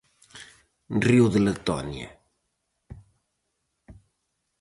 Río de Letonia.